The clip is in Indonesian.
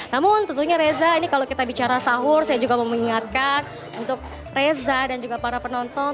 namun tentunya reza ini kalau kita bicara sahur saya juga mau mengingatkan untuk reza dan juga para penonton